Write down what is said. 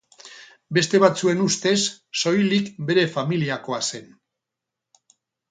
Beste batzuen ustez soilik bere familiakoa zen.